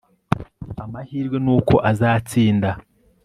amahirwe nuko azatsinda